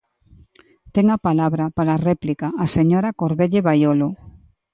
Ten a palabra, para a réplica, a señora Corvelle Baiolo.